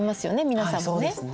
皆さんもね。